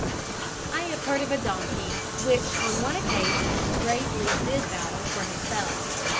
I have heard of a donkey which on one occasion bravely did battle for himself.